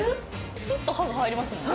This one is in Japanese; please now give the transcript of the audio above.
スッと歯が入りますもんね